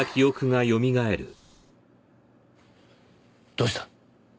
どうした？